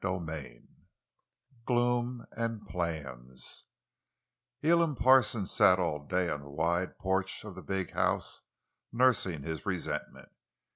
CHAPTER XV—GLOOM—AND PLANS Elam Parsons sat all day on the wide porch of the big house nursing his resentment.